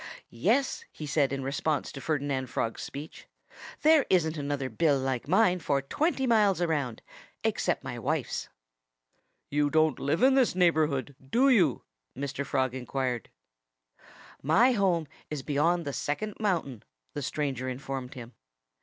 "Yes!" he said, in response to Ferdinand Frog's speech, "there isn't another bill like mine for twenty miles around except my wife's." "You don't live in this neighborhood, do you?" Mr. Frog inquired. "My home is beyond the Second Mountain," the stranger informed him.